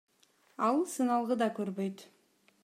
Ал сыналгы да көрбөйт.